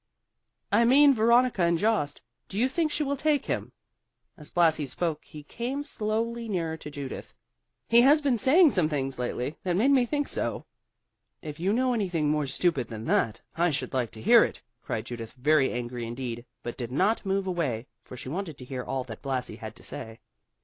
"I mean Veronica and Jost. Do you think she will take him?" As Blasi spoke he came slowly nearer to Judith. "He has been saying some things lately, that made me think so." "If you know anything more stupid than that, I should like to hear it," cried Judith very angry indeed; but she did not move away, for she wanted to hear all that Blasi had to say.